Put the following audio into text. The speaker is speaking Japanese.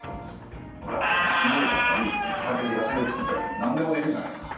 ほら家を建てたり畑で野菜を作ったり何でもできるじゃないですか。